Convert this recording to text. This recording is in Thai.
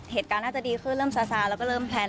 เหตุการณ์น่าจะดีขึ้นเริ่มซาซาแล้วก็เริ่มแพลน